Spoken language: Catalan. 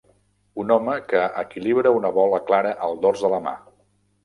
Un home que equilibra una bola clara al dors de la mà.